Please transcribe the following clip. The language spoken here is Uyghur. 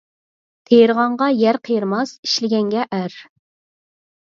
تېرىغانغا يەر قېرىماس، ئىشلىگەنگە ئەر.